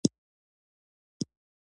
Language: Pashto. ایا ستاسو وطن امن نه دی؟